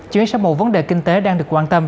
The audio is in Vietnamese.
chuyển sang một vấn đề kinh tế đang được quan tâm